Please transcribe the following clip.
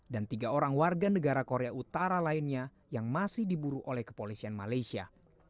dan tiga warga negara korea utara lainnya yang masih diburu oleh kepolisian malaysia